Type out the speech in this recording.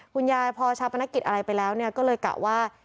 คุณยายพอชาปนกิจอะไรไปแล้วก็เลยกะว่า